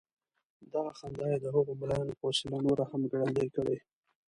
دغه خندا یې د هغو ملايانو په وسيله نوره هم ګړندۍ کړې.